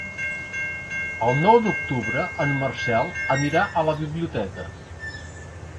El nou d'octubre en Marcel anirà a la biblioteca.